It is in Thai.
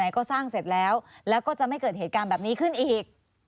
ก็สร้างเสร็จแล้วแล้วก็จะไม่เกิดเหตุการณ์แบบนี้ขึ้นอีก